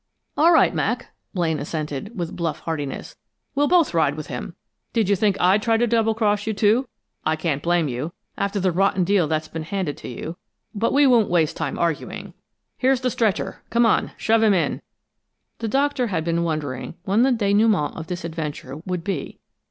"All right, Mac!" Blaine assented, with bluff heartiness. "We'll both ride with him! Did you think I'd try to double cross you, too? I can't blame you, after the rotten deal that's been handed to you, but we won't waste time arguing. Here's the stretcher. Come on, shove him in!" The Doctor had been wondering when the dénouement of this adventure would be.